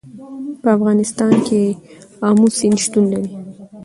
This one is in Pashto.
په افغانستان کې د آمو سیند شتون لري.